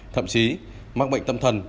thậm chí mắc bệnh tâm thần